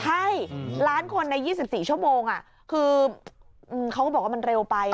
ใช่ล้านคนใน๒๔ชั่วโมงคือเขาก็บอกว่ามันเร็วไป